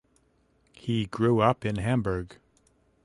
He grew up in Hamburg.